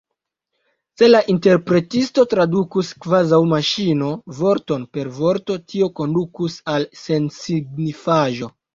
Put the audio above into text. Se la interpretisto tradukus kvazaŭ maŝino, vorton per vorto, tio kondukus al sensignifaĵo.